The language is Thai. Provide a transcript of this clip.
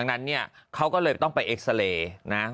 ดังนั้นเนี่ยเขาก็เลยต้องไปเอ็กซาเรย์นะ